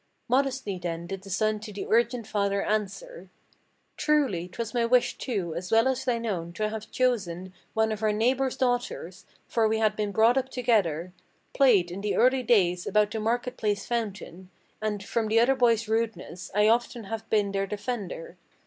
Modestly then did the son to the urgent father answer; "Truly 'twas my wish too, as well as thine own, to have chosen One of our neighbor's daughters, for we had been brought up together; Played, in the early days, about the market place fountain; And, from the other boys' rudeness, I often have been their defender.